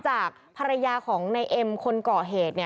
จากภรรยาของในเอ็มคนเกาะเหตุเนี่ย